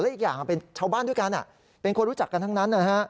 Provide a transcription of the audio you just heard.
อีกอย่างเป็นชาวบ้านด้วยกันเป็นคนรู้จักกันทั้งนั้นนะฮะ